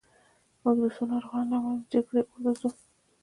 موږ د څو ناروغانو له امله د جګړې اور ته ځو